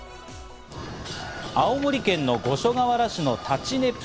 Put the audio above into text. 青森県の五所川原市の立佞武多。